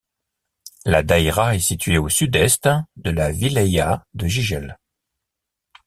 La daïra est située au sud-est de la wilaya de Jijel.